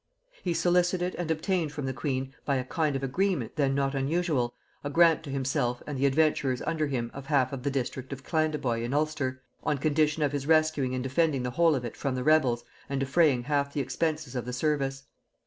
He solicited and obtained from the queen, by a kind of agreement then not unusual, a grant to himself and the adventurers under him of half of the district of Clandeboy in Ulster, on condition of his rescuing and defending the whole of it from the rebels and defraying half the expenses of the service.